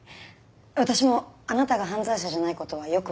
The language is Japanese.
私もあなたが犯罪者じゃない事はよくわかりました。